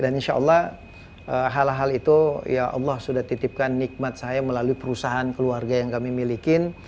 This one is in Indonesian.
insyaallah hal hal itu allah sudah titipkan nikmat saya melalui perusahaan keluarga yang kami milikin